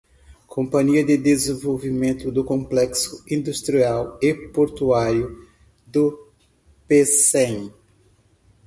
Companhia de Desenvolvimento do Complexo Industrial e Portuário do Pecém